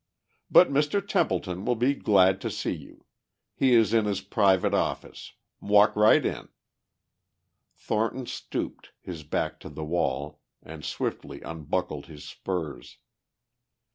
"But Mr. Templeton will be glad to see you. He is in his private office. Walk right in." Thornton stooped, his back to the wall, and swiftly unbuckled his spurs.